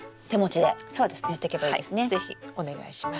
是非お願いします。